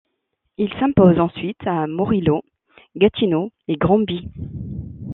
Il s'impose ensuite à Morelos, Gatineau et Granby.